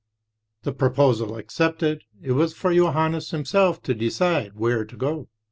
The pro posal accepted, it was for Johannes himself to decide where to go.